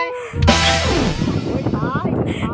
ตาย